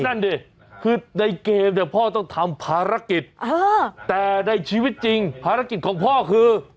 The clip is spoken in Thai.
นั่นดิคือในเกมเนี่ยพ่อต้องทำภารกิจแต่ในชีวิตจริงภารกิจของพ่อคือ